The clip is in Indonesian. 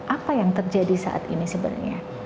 apa yang terjadi saat ini sebenarnya